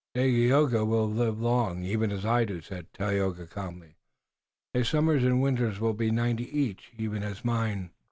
"Dagaeoga will live long, even as I do," said Tayoga calmly. "His summers and winters will be ninety each, even as mine.